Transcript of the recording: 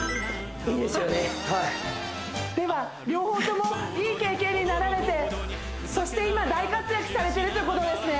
はいでは両方ともいい経験になられてそして今大活躍されてるということですね